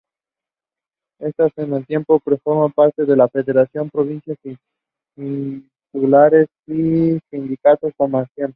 Éstas, al tiempo, pueden formar federaciones provinciales, insulares o sindicatos comarcales.